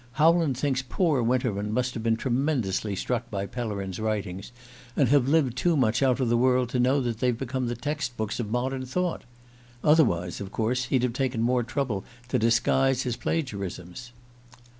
Howland thinks poor Winterman must have been tremendously struck by Pellerin's writings, and have lived too much out of the world to know that they've become the text books of modern thought. Otherwise, of course, he'd have taken more trouble to disguise his plagiarisms."